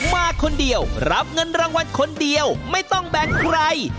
มาคนเดียวรับเงินรางวัลคนเดียวไม่ต้องแบ่งใคร